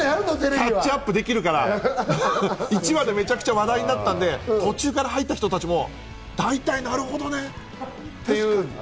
キャッチアップできるから、１話でめちゃくちゃ話題になったからって途中で入った人もなるほどねっていう。